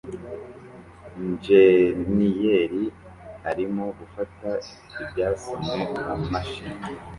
Injeniyeri arimo gufata ibyasomwe mumashini